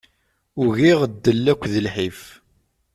Ugiɣ ddel akked lḥif.